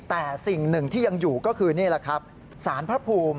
แต่สิ่งหนึ่งที่ยังอยู่ก็คือนี่แหละครับสารพระภูมิ